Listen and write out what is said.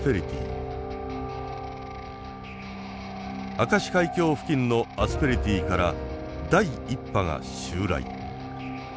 明石海峡付近のアスペリティから第１波が襲来。